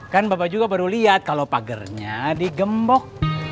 kan bapak juga baru liat kalo pagernya digembok